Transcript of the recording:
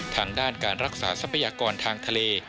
ทางด้านการรักษาทรัพยากรทางทะเล